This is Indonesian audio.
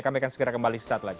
kami akan segera kembali saat lagi